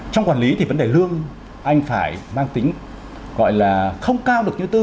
trong quản lý thì vấn đề lương anh phải mang tính gọi là không cao được như tư